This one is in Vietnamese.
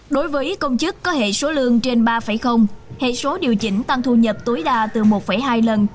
đối với công chức có hệ số lương trên ba hệ số điều chỉnh tăng thu nhập tối đa từ một hai lần